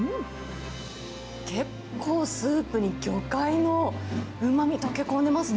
結構スープに魚介のうまみ溶け込んでますね。